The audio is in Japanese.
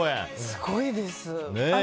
すごいです。